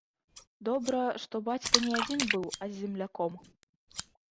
Добра, што бацька не адзін быў, а з земляком.